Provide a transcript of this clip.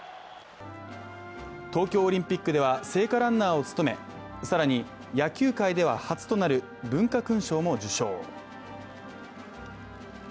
東京オリンピックでは聖火ランナーを務め更に野球界では初となる文化勲章も受章。